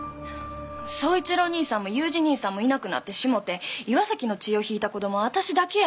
宗一郎兄さんも裕二兄さんもいなくなってしもうて岩崎の血を引いた子供は私だけやろ？